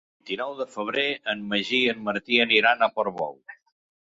El vint-i-nou de febrer en Magí i en Martí aniran a Portbou.